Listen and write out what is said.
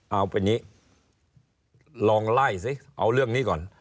เอาเป็นนี้ลองไล่สิเอาเรื่องนี้ก่อน